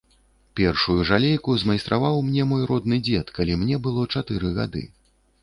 Першую жалейку змайстраваў мне мой родны дзед, калі мне было чатыры гады.